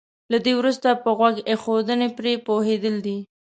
له دې وروسته په غوږ ايښودنې پرې پوهېدل دي.